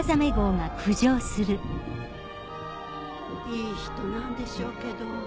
いい人なんでしょうけど。